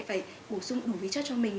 phải bổ sung đủ ví chất cho mình